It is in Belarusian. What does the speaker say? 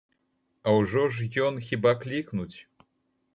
А ўжо ж ён, хіба клікнуць?